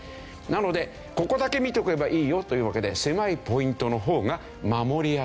なのでここだけ見ておけばいいよというわけで狭いポイントの方が守りやすい。